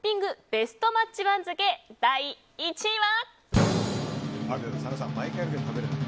ベストマッチ番付第１位は。